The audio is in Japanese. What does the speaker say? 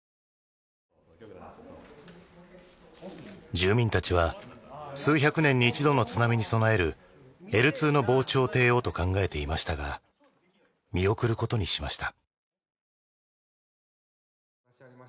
住民たちは数百年に一度の津波に備えるＬ２の防潮堤をと考えていましたが見送ることにしました。